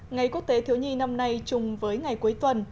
ngày quốc tế thiếu nhi năm nay chung với ngày cuối tuần